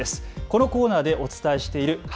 このコーナーでもお伝えしている＃